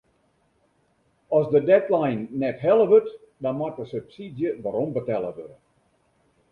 As de deadline net helle wurdt dan moat de subsydzje werombetelle wurde.